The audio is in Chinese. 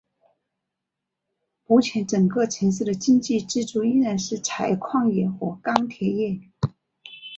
目前整个城市的经济支柱依然是采矿业和钢铁业。